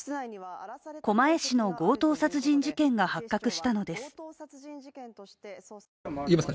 狛江市の強盗殺人事件が発覚したのです。